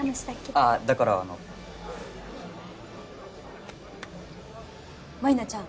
あぁだからあの舞菜ちゃん